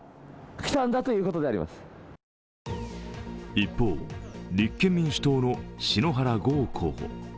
一方、立憲民主党の篠原豪候補。